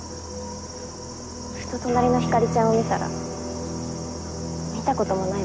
ふと隣のひかりちゃんを見たら見たこともない